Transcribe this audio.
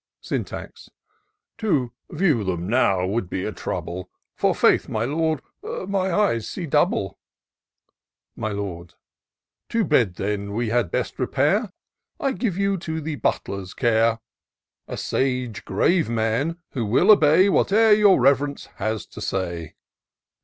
Syntax. " To view them now would be a trouble. For faith, my Lord, my eyes see double." My Lord. " To bed, then, we had best repair, — I give you to the Butler's care ; A sage grave man, who wiU obey Whate'er your Rev'rence has to say."